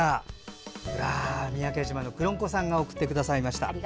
三宅島のくろんこさんが送ってくださいました。